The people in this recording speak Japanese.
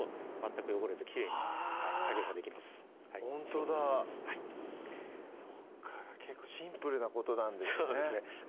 そっか結構シンプルなことなんですね